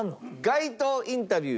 街頭インタビュー